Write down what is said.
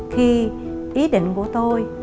khi ý định của tôi